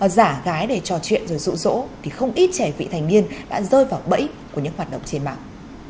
giả gái để trò chuyện rồi rụ rỗ thì không ít trẻ vị thành niên đã rơi vào bẫy của những hoạt động trên mạng